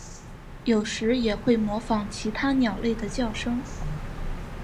有时也会模仿其他鸟类的叫声。